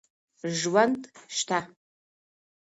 ژوند سته.